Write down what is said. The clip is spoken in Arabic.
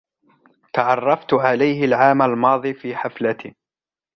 تعرفت عليه العام الماضي في حفلة